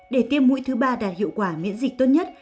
để tiêm mũi thứ ba đạt hiệu quả miễn dịch tốt nhất